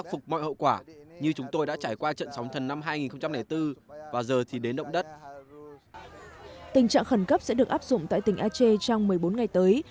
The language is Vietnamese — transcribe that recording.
tình trạng khẩn cấp sẽ được áp dụng tại tỉnh ache trong một mươi bốn ngày tới